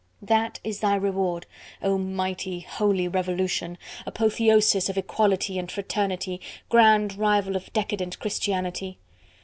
That is thy reward, oh mighty, holy Revolution! apotheosis of equality and fraternity! grand rival of decadent Christianity.